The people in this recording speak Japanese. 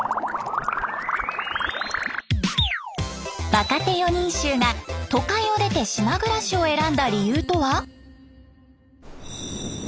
若手四人衆が都会を出て島暮らしを選んだ理由とは？